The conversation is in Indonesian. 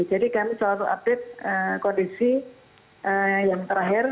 jadi kami selalu update kondisi yang terakhir